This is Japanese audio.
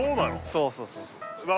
そうそうそうそううわ